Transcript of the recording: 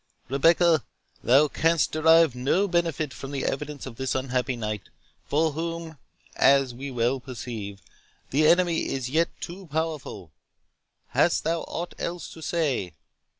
"Rebecca, thou canst derive no benefit from the evidence of this unhappy knight, for whom, as we well perceive, the Enemy is yet too powerful. Hast thou aught else to say?"